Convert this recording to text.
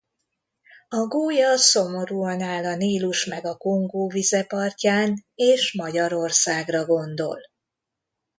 A gólya szomorúan áll a Nílus meg a Kongó vize partján és Magyarországra gondol.